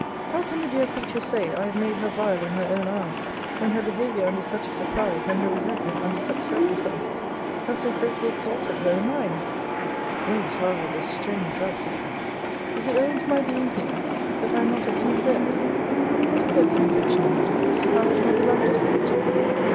How can the dear creature say, I have made her vile in her own eyes, when her behaviour under such a surprise, and her resentment under such circumstances, have so greatly exalted her in mine? Whence, however, this strange rhapsody? Is it owing to my being here? That I am not at Sinclair's? But if there be infection in that house, how has my beloved escaped it?